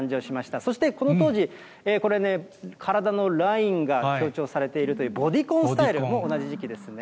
そしてこの当時、これね、体のラインが強調されているというボディコンスタイルも同じ時期ですね。